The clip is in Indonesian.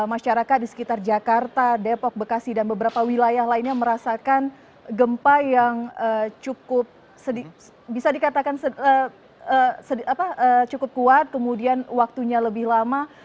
masyarakat di sekitar jakarta depok bekasi dan beberapa wilayah lainnya merasakan gempa yang cukup bisa dikatakan cukup kuat kemudian waktunya lebih lama